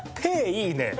いいね。